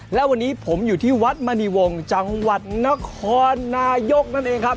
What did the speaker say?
และวันนี้ผมอยู่ที่วัดมณีวงศ์จังหวัดนครนายกนั่นเองครับ